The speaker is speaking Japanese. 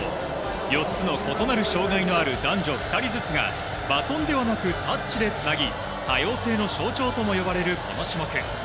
４つの異なる障がいのある男女２人ずつが、バトンではなくタッチでつなぎ、多様性の象徴とも呼ばれるこの種目。